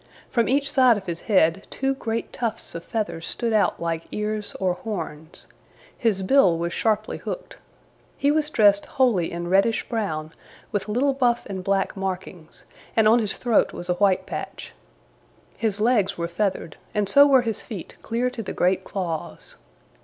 From each side of his head two great tufts of feathers stood out like ears or horns. His bill was sharply hooked. He was dressed wholly in reddish brown with little buff and black markings, and on his throat was a white patch. His legs were feathered, and so were his feet clear to the great claws.